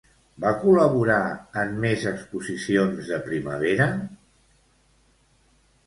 Va col·laborar en més Exposicions de Primavera?